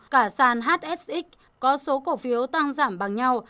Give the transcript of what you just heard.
cả sàn hsx có số cổ phiếu tăng giảm bằng nhau